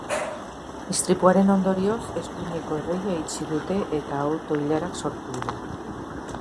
Istripuaren ondorioz, eskuineko erreia itxi dute eta auto-ilarak sortu dira.